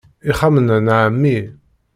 Ixxamen-a n ɛemmi.